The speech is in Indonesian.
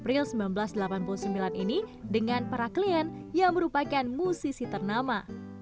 ini juga yang saya ingin kasih tau